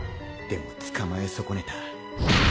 でも捕まえ損ねた。